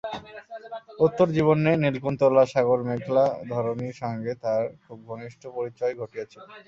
উত্তরজীবনে নীলকুন্তলা সাগরমেখলা ধরণীর সঙ্গে তাহার খুব ঘনিষ্ঠ পরিচয় ঘটিয়াছিল।